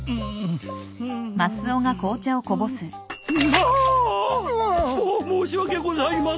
もっ申し訳ございません。